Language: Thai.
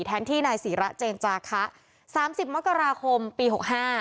แทนที่นายศีรเจนจาคะสามสิบมกราคมปีหกห้า